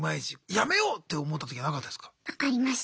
やめようって思ったときなかったですか？